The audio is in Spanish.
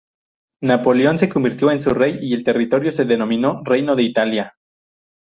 Napoleón se convirtió en su rey y el territorio se denominó "Reino de Italia".